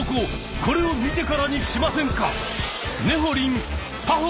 これを見てからにしませんか！